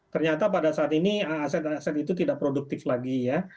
ternyata pada saat ini aset aset itu tidak produktif lagi ya